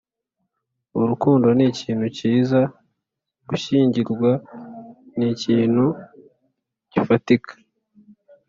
urukundo nikintu cyiza, gushyingirwa nikintu gifatika